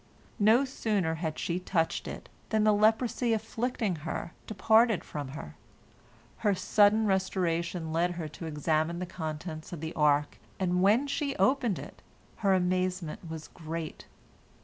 No sooner had she touched it than the leprosy afflicting her departed from her. Her sudden restoration led her to examine the contents of the ark, and when she opened it, her amazement was great.